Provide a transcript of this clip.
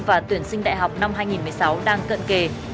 và tuyển sinh đại học năm hai nghìn một mươi sáu đang cận kề